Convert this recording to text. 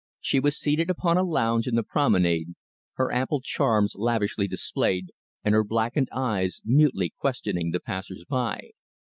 She was seated upon a lounge in the promenade, her ample charms lavishly displayed, and her blackened eyes mutely questioning the passers by.